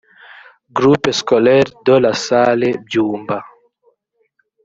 groupe scolaire de la salle byumba